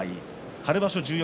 春場所十四